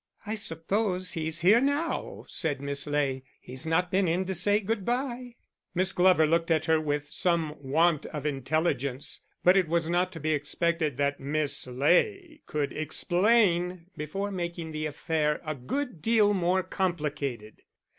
"I suppose he's here now," said Miss Ley; "he's not been in to say good bye." Miss Glover looked at her with some want of intelligence. But it was not to be expected that Miss Ley could explain before making the affair a good deal more complicated.